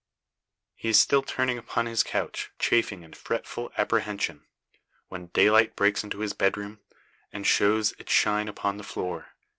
He is still turning upon his couch, chafing in fretful apprehension, when daylight breaks into his bedroom, and shows its shine upon the floor.